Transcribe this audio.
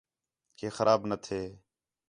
کہ خراب نہ تھے